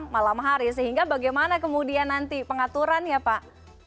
jadi kita harus pulang malam hari sehingga bagaimana kemudian nanti pengaturan ya pak